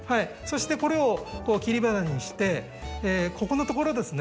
そしてこれを切り花にしてここのところですね